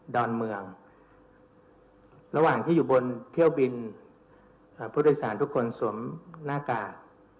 อนเมืองระหว่างที่อยู่บนเที่ยวบินผู้โดยสารทุกคนสวมหน้ากาก